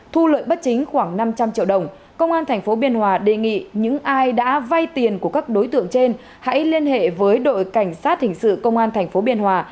thu lợi bất chính khoảng năm trăm linh triệu đồng công an tp biên hòa đề nghị những ai đã vay tiền của các đối tượng trên hãy liên hệ với đội cảnh sát hình sự công an tp biên hòa